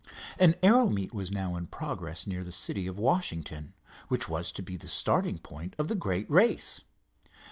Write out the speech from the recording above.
An aero meet was now in progress near the city of Washington, which was to be the starting point of the great race.